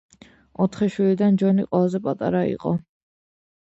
ოთხი შვილიდან ჯონი ყველაზე პატარა იყო.